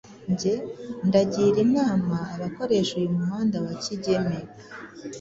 Njye ndagira inama abakoresha uyu muhanda wa Kigeme